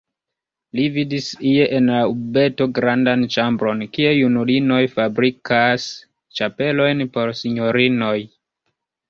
Li vidis ie en la urbeto grandan ĉambron, kie junulinoj fabrikas ĉapelojn por sinjorinoj.